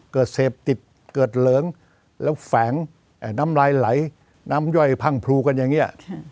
เสพติดเกิดเหลิงแล้วแฝงน้ำลายไหลน้ำย่อยพังพลูกันอย่างนี้